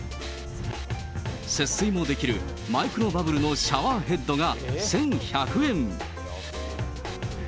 節水もできるマイクロバブルのシャワーヘッドが１１００円。